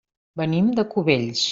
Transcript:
Venim de Cubells.